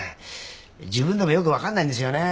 自分でもよく分かんないんですよね。